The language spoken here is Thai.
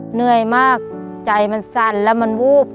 เหนื่อยมากใจมันสั่นแล้วมันวูบ